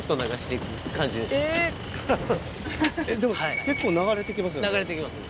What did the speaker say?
でも結構流れて行きますよね？